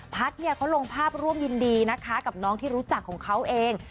เนี่ยเขาลงภาพร่วมยินดีนะคะกับน้องที่รู้จักของเขาเอง